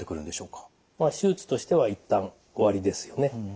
手術としては一旦終わりですよね。